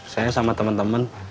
saya sama temen temen